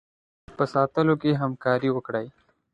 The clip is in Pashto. په ساتلو کې همکاري وکړي.